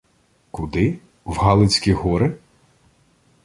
— Куди? В Галицькі гори?